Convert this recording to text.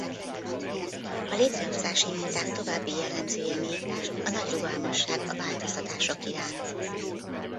A létrehozási minták további jellemzője még a nagy rugalmasság a változtatások iránt.